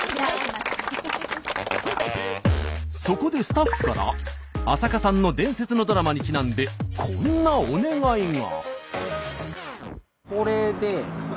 そこでスタッフから浅香さんの伝説のドラマにちなんでこんなお願いが。